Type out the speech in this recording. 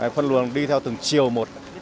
phân luồng đi theo từng chiều một